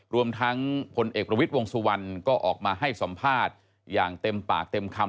รวมทั้งพลเอกประวิทย์วงสุวรรณก็ออกมาให้สัมภาษณ์อย่างเต็มปากเต็มคำ